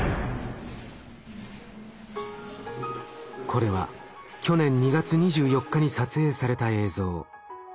これは去年２月２４日に撮影された映像。